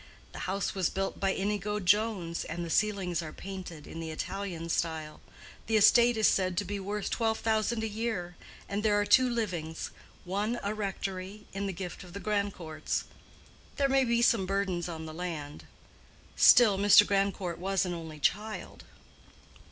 The house was built by Inigo Jones, and the ceilings are painted in the Italian style. The estate is said to be worth twelve thousand a year, and there are two livings, one a rectory, in the gift of the Grandcourts. There may be some burdens on the land. Still, Mr. Grandcourt was an only child."